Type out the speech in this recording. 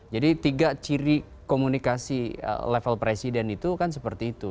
jadi tiga ciri komunikasi level presiden itu kan seperti itu